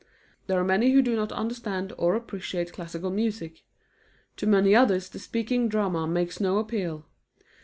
There are many who do not understand or appreciate classical music. To many others the speaking drama makes no appeal.